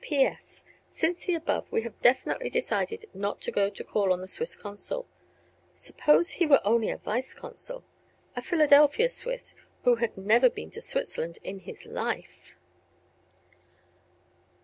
P.S. Since the above we have definitely decided not to go to call on the Swiss consul. Suppose he were only a vice consul, a Philadelphia Swiss, who had never been to Switzerland in his life!